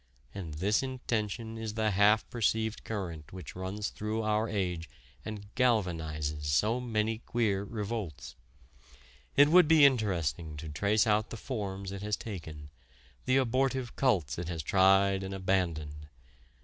And this intention is the half perceived current which runs through our age and galvanizes so many queer revolts. It would be interesting to trace out the forms it has taken, the abortive cults it has tried and abandoned.